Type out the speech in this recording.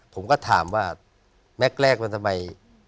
ผมก็ถามว่าแม็กซ์แรกนั้นทำไม